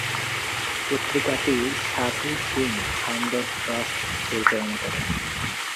পত্রিকাটি সাধু সিং হামদর্দ ট্রাস্ট পরিচালনা করে।